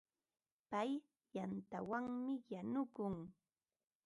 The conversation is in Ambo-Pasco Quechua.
Pay yantawanmi yanukun.